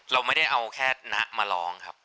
เราไม่ได้เอาแค่ณมาร้องครับ